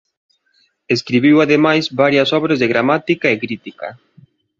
Escribiu ademais varias obras de gramática e crítica.